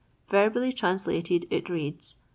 Verbally translated it reads: 1.